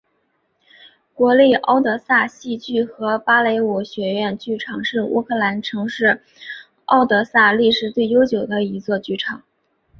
国立敖德萨戏剧和芭蕾舞学院剧场是乌克兰城市敖德萨历史最悠久的一座剧场。